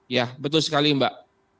ya betul sekali mbak